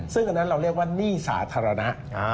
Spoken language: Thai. ซึ่งเราเรียกว่านี่สาธารณะ